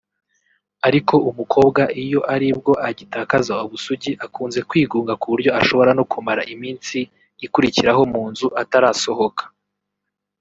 ariko umukobwa iyo aribwo agitakaza ubusugi akunze kwigunga kuburyo ashobora no kumara iminsi ikurikiraho mu nzu atarasohoka